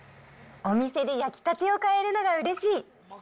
お店で焼きたてを買えるのがうれしい。